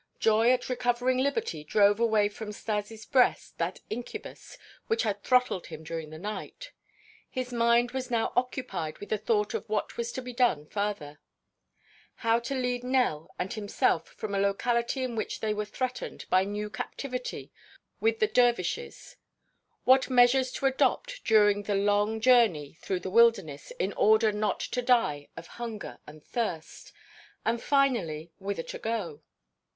Joy at recovering liberty drove away from Stas' breast that incubus which had throttled him during the night. His mind was now occupied with the thought of what was to be done farther; how to lead Nell and himself from a locality in which they were threatened by new captivity with the dervishes; what measures to adopt during the long journey through the wilderness in order not to die of hunger and thirst, and finally, whither to go?